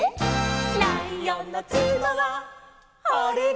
「ライオンのつのはあれれ」